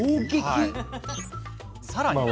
さらに。